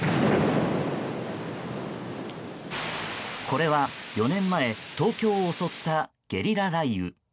これは４年前東京を襲ったゲリラ雷雨。